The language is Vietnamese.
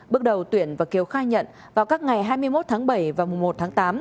bước đầu tuyển và kiều khai nhận vào các ngày hai mươi một tháng bảy và mùa một tháng tám